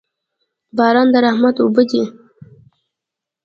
باران د رحمت اوبه دي